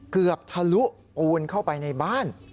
เกือบทะลุอูนเข้าไปในบ้าน